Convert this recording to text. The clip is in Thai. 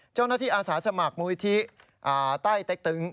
เจ้าหน้าที่อาศาสมัครมูลอิทธิใต้เต็กตึง